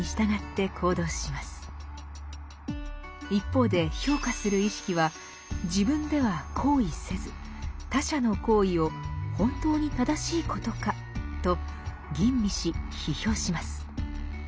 一方で評価する意識は自分では行為せず他者の行為を「本当に正しいことか？」と吟味し批評します。